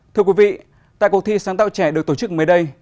thưa quý vị tại cuộc thi sáng tạo trẻ được tổ chức mới đây